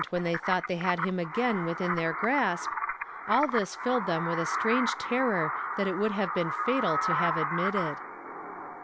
^^ if when they thought they liad him again within their grasp — all this filled them with a strange terror that it would have been fatal to have admitted.